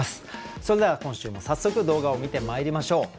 それでは今週も早速動画を観てまいりましょう。